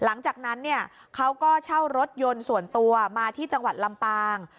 หลังจากนั้นเนี่ยเขาก็เช่ารถยนต์ส่วนตัวมาที่จังหวัดลำปาง